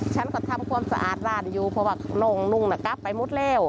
ฉันก็ทำความสะอาดร้านอยู่เพราะว่าน้องนุ่งน่ะกลับไปหมดแล้ว